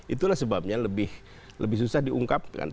itulah sebabnya lebih susah diungkapkan